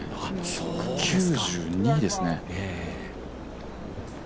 １９２ですね。